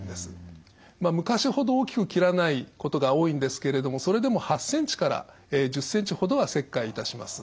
昔ほど大きく切らないことが多いんですけれどもそれでも８ｃｍから１０ｃｍほどは切開いたします。